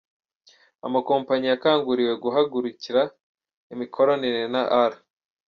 Amakompanyi yakanguriwe guhagarika imikoranire na R.